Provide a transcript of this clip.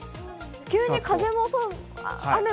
急に風も、雨も。